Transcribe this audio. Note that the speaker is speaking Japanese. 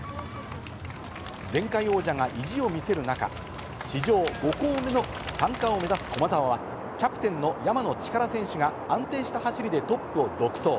前回王者が意地を見せる中、史上５校目の三冠を目指す駒澤は、キャプテンの山野力選手が、安定した走りでトップを独走。